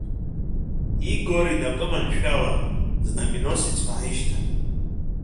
Игор инапы маншәалан, Знаменосец ҳәа ҳишьҭан.